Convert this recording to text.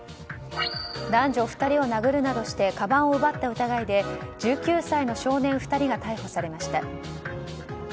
男女２人を殴るなどしてかばんを奪った疑いで１９歳の少年２人が逮捕されました。